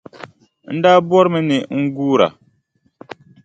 N daa bɔrimi ni n guura.